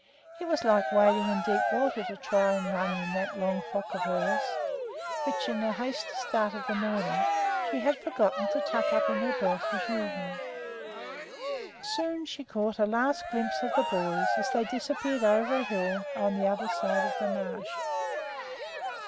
It was like wading in deep water to try to run in that long frock of hers, which, in the hasty start of the morning, she had forgotten to tuck up in her belt as usual. Lisbeth's ordinary shoes were clumsy wooden ones. Soon she caught a last glimpse of the boys as they disappeared over a hill on the other side of the marsh.